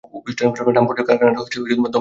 রামফোর্ডের কারখানাটা ধ্বংস হয়ে গেছে!